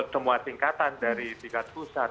semua tingkatan dari tingkat pusat